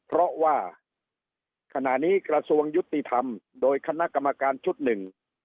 เพราะว่าขณะนี้กระทรวงยุติธรรมโดยคณะกรรมการชุดหนึ่ง